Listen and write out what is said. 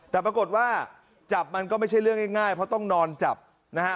แต่ปรากฏว่าจับมันก็ไม่ใช่เรื่องง่ายเพราะต้องนอนจับนะฮะ